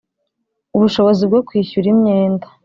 Ubushobozi bwo kwishyura imyenda